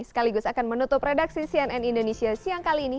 sekaligus akan menutup redaksi cnn indonesia siang kali ini